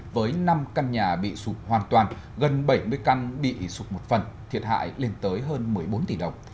với năm căn nhà bị sụp hoàn toàn gần bảy mươi căn bị sụp một phần thiệt hại lên tới hơn một mươi bốn tỷ đồng